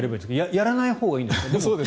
やらないほうがいいんですか？